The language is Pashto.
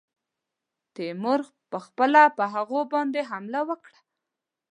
تیمور پخپله پر هغوی باندي حمله وکړه.